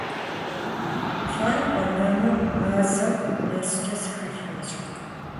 ЛӀэн-къэнэну мазэм нэскӀэ сыхэлъащ.